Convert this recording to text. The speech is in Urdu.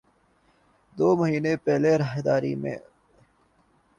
دو مہینے پہلے راہداری میں